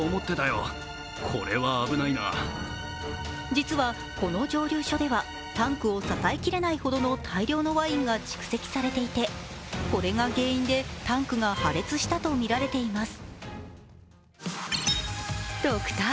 実は、この蒸留所ではタンクを支えきれないほどの大量のワインが蓄積されていて、これが原因でタンクが破裂したとみられています。